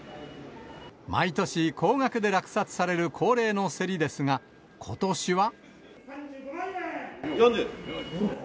毎年、高額で落札される恒例の競りですが、ことしは。